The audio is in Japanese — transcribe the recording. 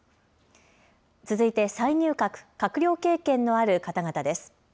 続いて再入閣、閣僚経験のある方々です。